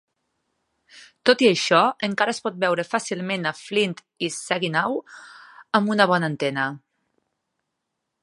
Tot i això, encara es pot veure fàcilment a Flint i Saginaw amb una bona antena.